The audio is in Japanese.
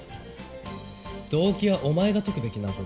動機はお前が解くべき謎だ。